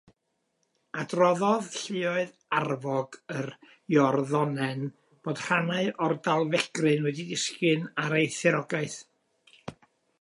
Adroddodd lluoedd arfog yr Iorddonen bod rhannau o daflegryn wedi disgyn ar ei thiriogaeth.